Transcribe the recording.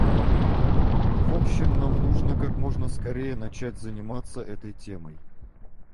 В общем, нам нужно как можно скорее начать заниматься этой темой.